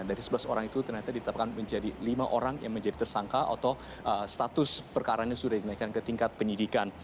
dari sebelas orang itu ternyata ditetapkan menjadi lima orang yang menjadi tersangka atau status perkaranya sudah dinaikkan ke tingkat penyidikan